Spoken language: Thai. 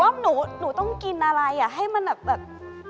เหรอว่าหนุต้องกินอะไรให้มันแบบ